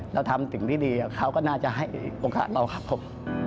เราทำสิ่งที่ดีเขาก็น่าจะให้โอกาสเราครับผม